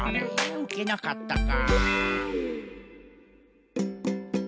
うけなかったか。